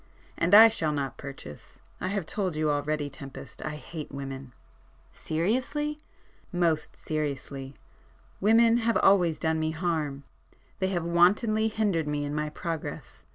And I shall not purchase. I have told you already, Tempest, I hate women." [p 83]"Seriously?" "Most seriously. Women have always done me harm,—they have wantonly hindered me in my progress.